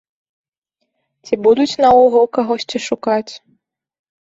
Ці будуць наогул кагосьці шукаць?